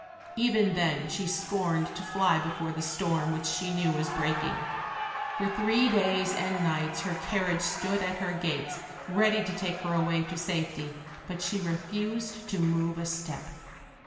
Even then she scorned to fly before the storm which she knew was breaking. For three days and nights her carriage stood at her gates ready to take her away to safety; but she refused to move a step.